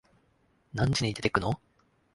何時に出てくの？